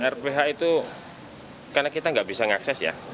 rph itu karena kita nggak bisa mengakses ya